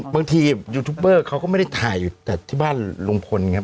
บางทียูทูปเบอร์เขาก็ไม่ได้ถ่ายอยู่แต่ที่บ้านลุงพลครับ